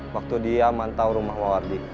waktu dia mantau rumah lowardi